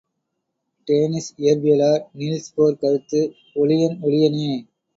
Danish இயற்பியலார் Niels Bohr கருத்து ஒளியன் ஒளியனே.